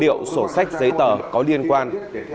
tài liệu sổ sách giấy tờ có liên quan